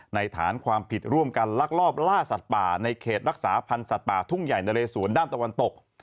ฐานความผิดร่วมกันลักลอบล่าสัตว์ป่าในเขตรักษาพันธ์สัตว์ป่าทุ่งใหญ่นะเลสวนด้านตะวันตก